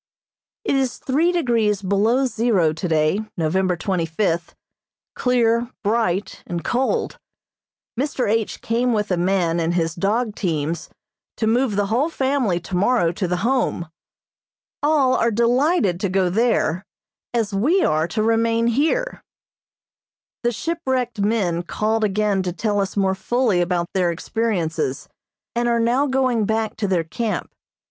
It is three degrees below zero today, November twenty fifth, clear, bright and cold. Mr. H. came with a man and his dog teams to move the whole family tomorrow to the Home. All are delighted to go there, as we are to remain here. The shipwrecked men called again to tell us more fully about their experiences, and are now going back to their camp.